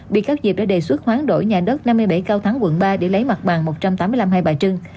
bị cáo diệp đã đề xuất hoán đổi nhà đất năm mươi bảy cao thắng quận ba để lấy mặt bằng một trăm tám mươi năm hai bà trưng